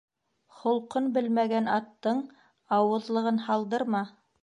Холҡон белмәгән аттың ауыҙлығын һалдырма.